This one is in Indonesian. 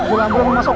bulan bulan mau masuk